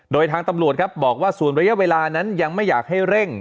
โดยทางตำรวจครับบอกว่าส่วนระยะเวลานั้นยังไม่อยากให้เร่ง